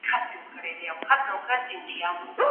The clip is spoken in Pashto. ماکس وِبر د ټولنیز عمل ډولونه ښودلي دي.